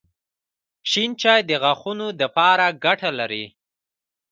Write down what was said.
شېن چای د غاښونو دپاره ګټه لري